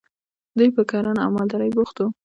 دوی په کرنه او مالدارۍ بوخت وو.